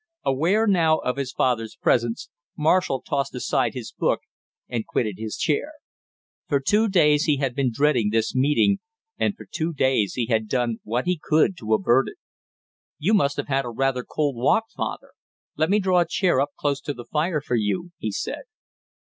Aware now of his father's presence, Marshall tossed aside his book and quitted his chair. For two days he had been dreading this meeting, and for two days he had done what he could to avert it. "You must have had a rather cold walk, father; let me draw a chair up close to the fire for you," he said.